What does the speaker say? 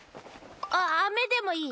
ああめでもいい？